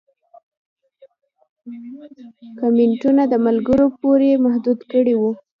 کمنټونه د ملګرو پورې محدود کړي وو